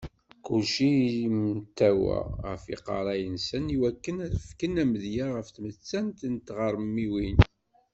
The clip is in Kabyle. Kulci yemtawa ɣef yiqerra-nsen iwakken ad fken amedya ɣef tmettant n tɣermiwin.